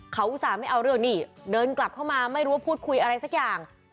เขาอุตส่าห์ไม่เอาเรื่องนี่เดินกลับเข้ามาไม่รู้ว่าพูดคุยอะไรสักอย่าง